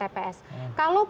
kalaupun dia belum mendapatkan